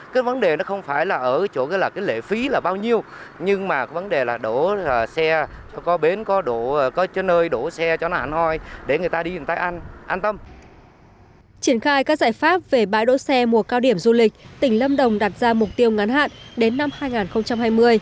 triển khai các giải pháp về bãi đỗ xe mùa cao điểm du lịch tỉnh lâm đồng đặt ra mục tiêu ngắn hạn đến năm hai nghìn hai mươi